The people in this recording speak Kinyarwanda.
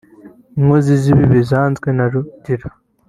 inkozi z’ibibi zanzwe na Rugira